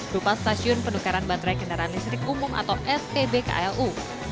rupa stasiun penukaran baterai kendaraan listrik umum atau spbklu